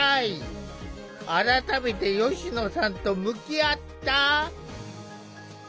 改めて吉野さんと向き合った。